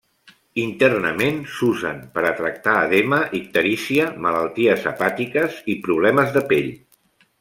Internament, s'usen per a tractar edema, icterícia, malalties hepàtiques i problemes de pell.